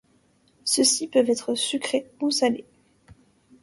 Ceux-ci peuvent être sucrés ou salés.